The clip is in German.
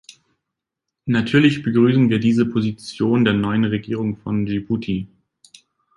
Natürlich begrüßen wir diese Position der neuen Regierung von Dschibuti.